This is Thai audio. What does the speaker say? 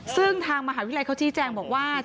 ซึ่งทางมหาวิทยาลัยเขาชี้แจงบอกว่า